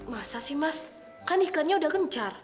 masa sih mas kan iklannya udah gencar